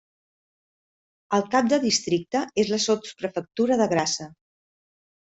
El cap del districte és la sotsprefectura de Grassa.